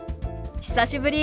久しぶり。